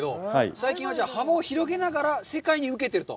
最近は幅を広げながら世界に受けていると。